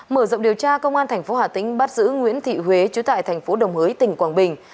mở rộng điều tra công an tp hà tĩnh bắt giữ nguyễn thị huế trú tại tp đồng hới tỉnh quảng bình